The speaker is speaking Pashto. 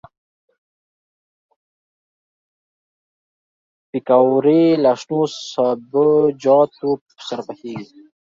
پکورې له شنو سابهجاتو سره پخېږي